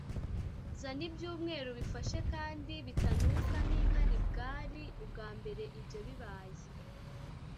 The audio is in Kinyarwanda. zana iby umweru bifashe kandi bitanuka nk inkari bwari ubwa mbere ibyo bibaye